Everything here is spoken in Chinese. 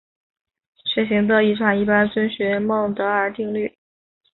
血型的遗传一般遵守孟德尔定律。